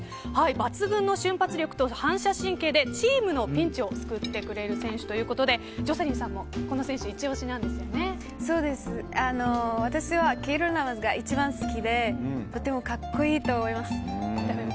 抜群の瞬発力と反射神経でチームのピンチを救ってくれる選手ということでジョセリンさんも私はケイラー・ナヴァスが一番好きでとても格好いいと思います。